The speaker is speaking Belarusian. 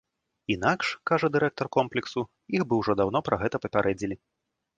Інакш, кажа дырэктар комплексу, іх бы ўжо даўно пра гэта папярэдзілі.